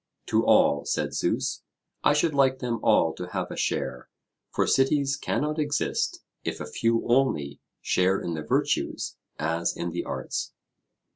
'To all,' said Zeus; 'I should like them all to have a share; for cities cannot exist, if a few only share in the virtues, as in the arts.